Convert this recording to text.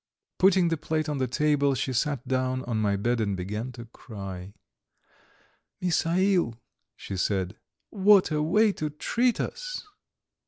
Putting the plate on the table, she sat down on my bed and began to cry. "Misail," she said, "what a way to treat us!"